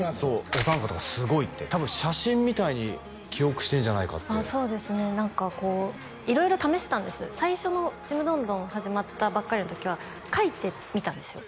お三方がすごいって多分写真みたいに記憶してんじゃないかってそうですね色々試したんです最初の「ちむどんどん」始まったばっかりの時は書いてみたんですよ